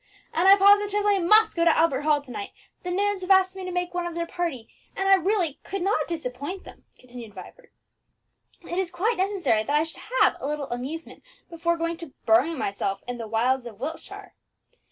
"And I positively must go to Albert Hall to night; the Nairns have asked me to make one of their party, and I really could not disappoint them," continued Vibert. "It is quite necessary that I should have a little amusement before going to bury myself in the wilds of Wiltshire.